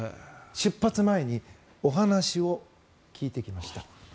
出発前にお話を聞いてきました。